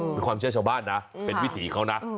เป็นความเชื่อชาวบ้านนะเป็นวิถีเขานะ